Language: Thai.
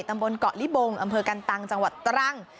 ตำบลเกาะลิบงอำเภอกันตังจังหวัดตรัง